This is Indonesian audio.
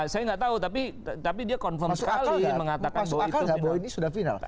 saya nggak tahu tapi dia confirm sekali mengatakan bahwa itu sudah final kan